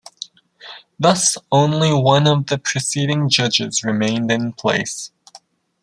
Thus, only one of the preceding judges remained in place.